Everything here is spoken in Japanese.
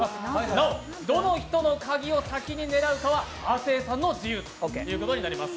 なお、どの人の鍵を先に狙うかは、亜生さんの自由ということになります。